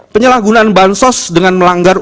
penyalahgunaan bansos dengan melanggar